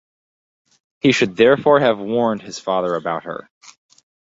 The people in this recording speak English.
He should therefore have warned his father about her.